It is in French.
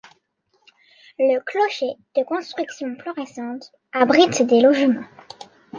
Le clocher, de construction plus récente, abrite des logements.